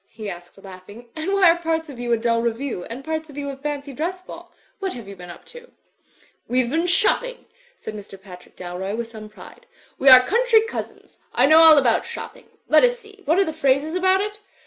he asked, laughing, ''and why are parts of you a dull review and parts of you a fancy dress ball? What have you been up to?" "WeVe been shopping,*' said Mr. Patrick Dalroy, with some pride. "We are country cousins. I know all about shopping; let us see, what are the phrases about it?